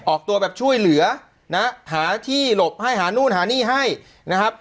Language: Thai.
ออกตัวแบบช่วยเหลือนะหาที่หลบให้หานู่นหานี่ให้นะครับ